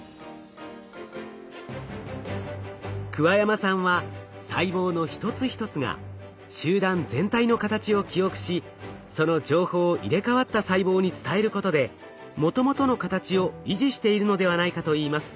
桑山さんは細胞の一つ一つが集団全体の形を記憶しその情報を入れ替わった細胞に伝えることでもともとの形を維持しているのではないかといいます。